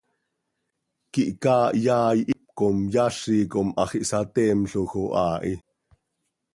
quih chaa hyaai hipcom yazim com hax ihsateemloj oo haa hi.